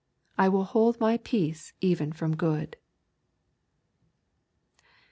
I will hold my peace even from good.'